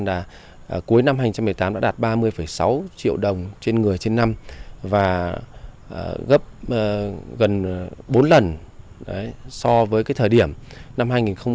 lăng can cuối năm hai nghìn một mươi tám đã đạt ba mươi sáu triệu đồng trên người trên năm và gấp gần bốn lần so với thời điểm năm hai nghìn một mươi một